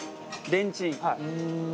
レンチン？